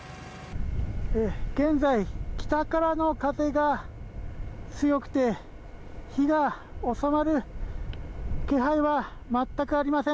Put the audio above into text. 現在、北からの風が強くて火が収まる気配は全くありません。